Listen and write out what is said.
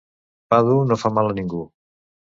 Pa dur no fa mal a ningú.